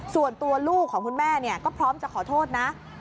ส่วนตัวลูกของคุณแม่ก็พร้อมจะขอโทษนะ